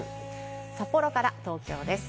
札幌から東京です。